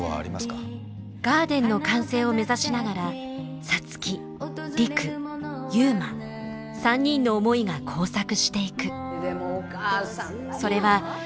ガーデンの完成を目指しながら皐月陸悠磨３人の思いが交錯していく。